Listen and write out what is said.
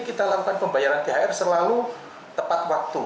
kita lakukan pembayaran thr selalu tepat waktu